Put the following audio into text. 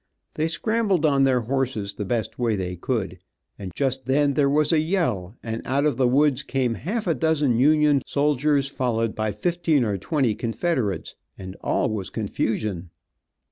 They scrambled on their horses the best way they could, and just then there was a yell, and out of the woods came half a dozen Union soldiers followed by fifteen or twenty Confederates, and all was confusion.